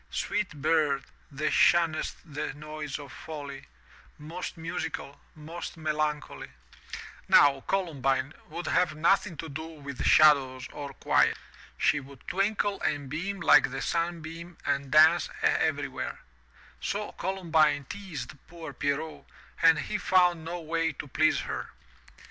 Sweet bird, that shunn'st the noise of folly, ^ Most musical, most melancholy! Now Columbine would have nothing to do with shadows or *From Milton's II Penseroso. THROUGH FAIRY HALLS quiet. She would twinkle and beam like the sunbeam and dance everywhere. So Columbine teased poor Pierrot and he found no way to please her.